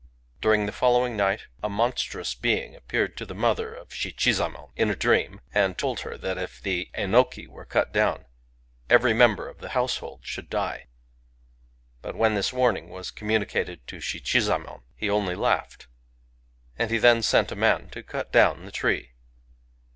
During the fbOowing night a monttrout being appeared to the mother of Shichisaemon, in a dream, and told her that if the inoJki were cut down, every member of the house hold thould die. But when this warning waa conununicated to Shichizaemon, he only laughed ; and he then tent a man to cut down the tree.